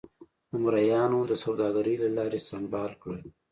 د مریانو د سوداګرۍ له لارې سمبال کړل.